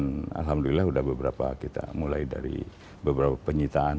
oke dan alhamdulillah sudah beberapa kita mulai dari beberapa penyitaan uang